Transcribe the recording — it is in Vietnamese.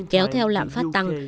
kéo theo lạm phát tăng